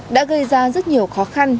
đã gây ra rất nhiều khó khăn